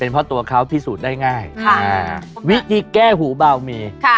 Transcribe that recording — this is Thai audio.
เป็นเพราะตัวเขาพิสูจน์ได้ง่ายค่ะอ่าวิธีแก้หูเบามีค่ะ